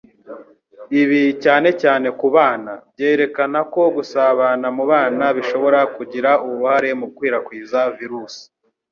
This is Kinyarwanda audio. Ibi cyane cyane kubana, byerekana ko gusabana mubana bishobora kugira uruhare mugukwirakwiza virusi